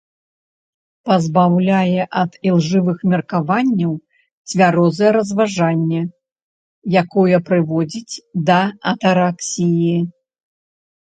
Пазбаўляе ад ілжывых меркаванняў цвярозае разважанне, якое прыводзіць да атараксіі.